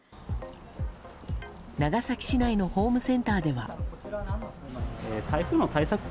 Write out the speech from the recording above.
長崎市内のホームセンターでは。